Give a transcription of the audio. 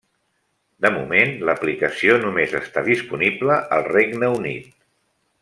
De moment, l'aplicació només està disponible al Regne Unit.